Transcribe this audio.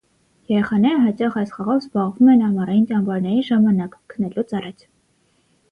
Երեխաները հաճախ այս խաղով զբաղվում են ամառային ճամբարների ժամանակ, քնելուց առաջ։